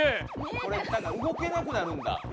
これ、動けなくなるんだ。